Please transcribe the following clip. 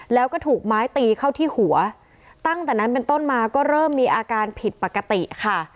แล้วก็ถูกไม้ตีเข้าที่หัวตั้งแต่นั้นเป็นต้นมาก็เริ่มมีอาการผิดปกติค่ะ